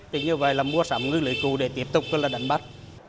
thì như vậy là mua sắm ngưỡng lưỡi cù để tiếp tục đánh bắt